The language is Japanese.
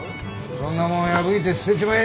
そんなもん破いて捨てちまえ。